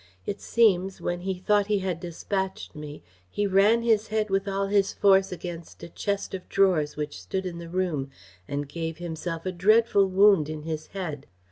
It seems, when he thought he had despatched me, he ran his head with all his force against a chest of drawers which stood in the room, and gave himself a dreadful wound in his head.